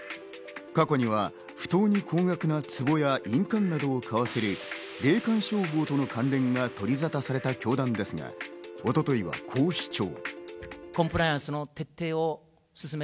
過去には不当に高額なつぼや印鑑などを買わせる霊感商法との関連が取りざたされた教団ですが、一昨日はこう主張。